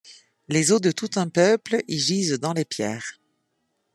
Les os de tout un peuple y gisent dans les pierres.